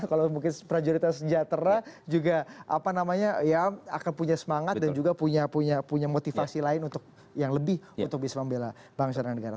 kalau mungkin prajuritnya sejahtera juga akan punya semangat dan juga punya motivasi lain yang lebih untuk bisa membela bangsa dan negara